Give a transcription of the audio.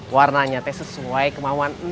warnanya teh sesuai kemauan